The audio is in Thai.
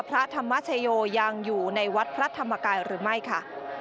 พระธรรมชโยยังอยู่ในวัดพระธรรมกายหรือไม่ค่ะ